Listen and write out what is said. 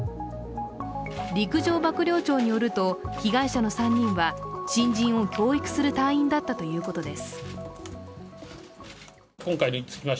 陸上幕僚長によりますと被害者の３人は新人を教育する隊員だったそうです。